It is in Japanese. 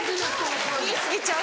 言い過ぎちゃう？